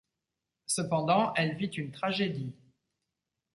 Cependant elle vit une tragédie.